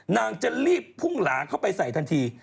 นางจะรีบพุ่งหลาเข้าไปใส่ทันที